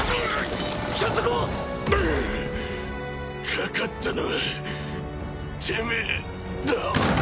かかったのはてめえだ。